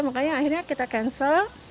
makanya akhirnya kita cancel